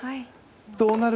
どうなる？